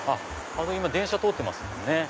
今電車通ってますもんね